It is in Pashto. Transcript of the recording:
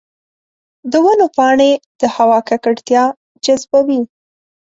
د ونو پاڼې د هوا ککړتیا جذبوي.